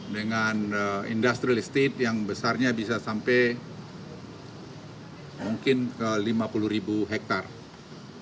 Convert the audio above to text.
dengan industri estate yang besarnya bisa sampai mungkin ke lima puluh ribu hektare